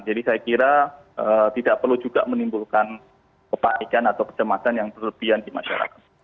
jadi saya kira tidak perlu juga menimbulkan kepanikan atau kecemasan yang berlebihan di masyarakat